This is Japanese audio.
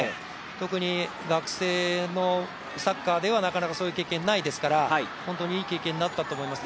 特に学生のサッカーではなかなかそういう経験がないですから本当にいい経験になったと思います。